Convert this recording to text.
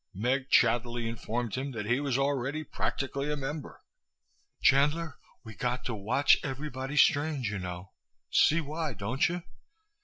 Meg chattily informed him that he was already practically a member. "Chandler, we got to watch everybody strange, you know. See why, don't you?